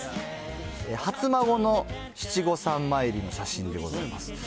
初孫の七五三参りの写真でございます。